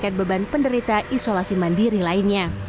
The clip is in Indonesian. dan memperbaiki kekuatan penderitaan isolasi mandiri lainnya